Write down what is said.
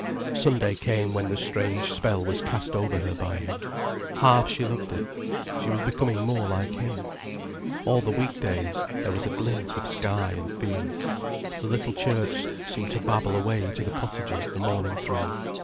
Sunday came when the strange spell was cast over her by him. Half she loved it. She was becoming more like him. All the week days, there was a glint of sky and fields, the little church seemed to babble away to the cottages the morning through.